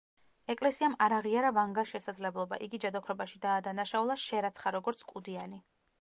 ეკლესიამ არ აღიარა ვანგას შესაძლებლობა, იგი ჯადოქრობაში დაადანაშაულა, შერაცხა როგორც „კუდიანი“.